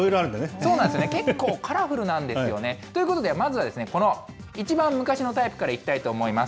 結構カラフルなんですよね。ということでまずは、一番昔のタイプからいきたいと思います。